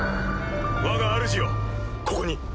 わがあるじよここに。